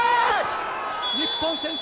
日本先制！